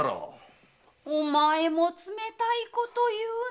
お前も冷たいこと言うね！